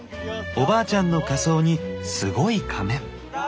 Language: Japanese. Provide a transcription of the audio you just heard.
おばあちゃんの仮装にすごい仮面。